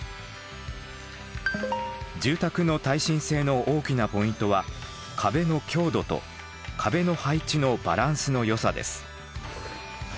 住宅の耐震性の大きなポイントは壁の強度と壁の配置のバランスの良さです。